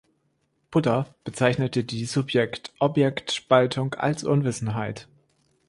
Buddha bezeichnete die Subjekt-Objekt-Spaltung als Unwissenheit.